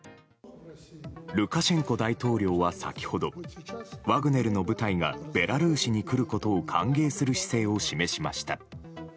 ルカシェンコ大統領は先ほどワグネルの部隊がベラルーシに来ることを歓迎する姿勢を示しました。